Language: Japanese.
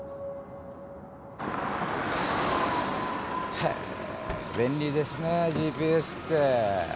へぇ便利ですねＧＰＳって。